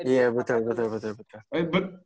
iya betul betul betul